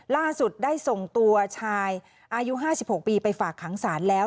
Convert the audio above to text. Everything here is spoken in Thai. ล่าสุดได้ส่งตัวชายอายุ๕๖ปีไปฝากขังศาลแล้ว